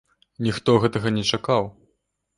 Ніхто гэтага не чакаў.